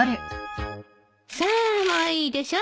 さあもういいでしょ？